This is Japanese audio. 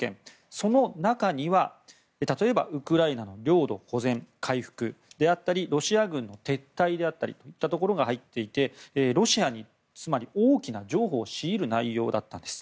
その中には例えば、ウクライナの領土保全、回復であったりロシア軍の撤退であったりといったものが入っていてつまり、ロシアに大きな譲歩を強いる内容だったんです。